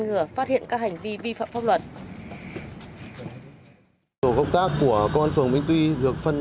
ngừa phát hiện các hành vi vi phạm pháp luật tổ công tác của công an phường minh tuy dược phân